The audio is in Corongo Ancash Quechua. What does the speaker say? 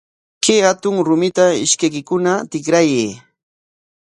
Kay hatun rumita ishkaykikuna tikrayay.